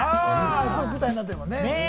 舞台になってるもんね。